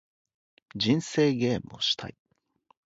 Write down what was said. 人生ゲームをしたい